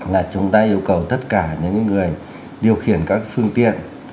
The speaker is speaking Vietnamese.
là chúng ta yêu cầu tất cả những người điều khiển các phương tiện